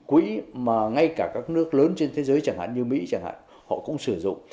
quỹ mà ngay cả các nước lớn trên thế giới chẳng hạn như mỹ chẳng hạn họ cũng sử dụng